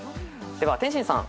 では天心さん